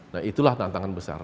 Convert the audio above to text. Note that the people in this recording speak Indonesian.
nah itulah tantangan besar